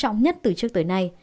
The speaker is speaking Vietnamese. và làn sóng nhất từ trước tới nay